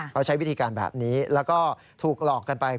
เขาใช้วิธีการแบบนี้แล้วก็ถูกหลอกกันไป